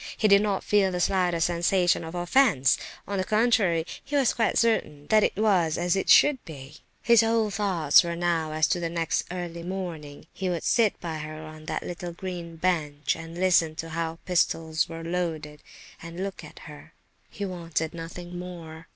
He did not feel the slightest sensation of offence; on the contrary, he was quite certain that it was as it should be. His whole thoughts were now as to next morning early; he would see her; he would sit by her on that little green bench, and listen to how pistols were loaded, and look at her. He wanted nothing more.